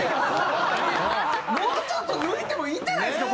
もうちょっと抜いてもいいんじゃないですか？